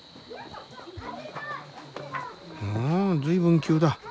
うん随分急だ。